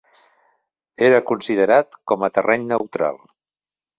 Era considerat com a terreny neutral.